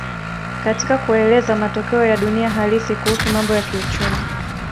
Katika kueleza matokeo ya dunia halisi kuhusu mambo ya kiuchumi